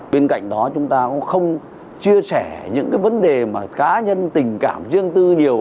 bên cạnh đó chúng ta cũng không chia sẻ những vấn đề cá nhân tình cảm riêng tư nhiều